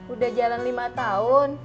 udah jalan lima tahun